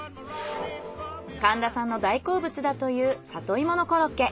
神田さんの大好物だというサトイモのコロッケ。